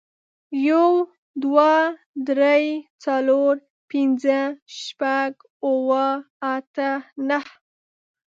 يو، دوه، درې، څلور، پينځه، شپږ، اووه، اته، نهه